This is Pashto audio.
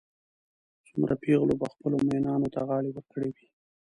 څومره پېغلو به خپلو مئینانو ته غاړې ورکړې وي.